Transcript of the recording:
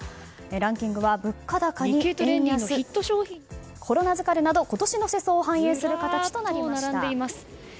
ランキングは物価高にコロナ疲れなど今年の世相を反映する形となりました。